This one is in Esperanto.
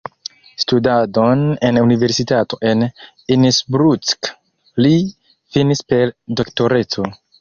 Studadon en universitato en Innsbruck li finis per doktoreco.